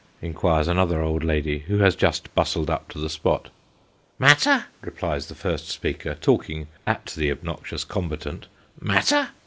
inquires another old woman, who has just bustled up to the spot. " Matter !" replies the first speaker, talking at the obnoxious com batant, " matter